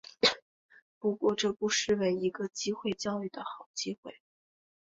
不过这不失为一个机会教育的好机会